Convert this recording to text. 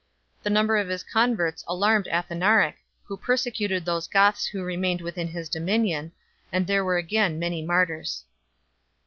The number of his converts alarmed Athanaric, who persecuted those Goths who remained within his dominion, and there were again many martyrs 3